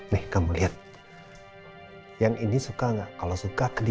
nih kamu lihat yang ini suka nggak kalau suka ketipin dua kali